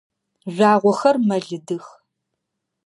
Жъуагъохэр мэлыдых.